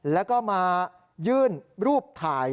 แล้วก็มายื่นรูปถ่าย